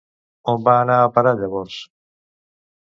On va anar a parar llavors?